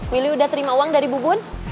willy udah terima uang dari bubun